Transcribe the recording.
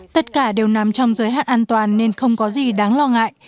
tất cả đều nằm trong giới hạn an toàn nên không có gì đáng lo ngại